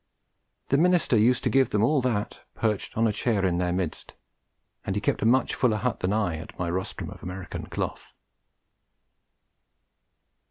The minister used to give them all that, perched on a chair in their midst; and he kept a much fuller hut than I at my rostrum of American cloth.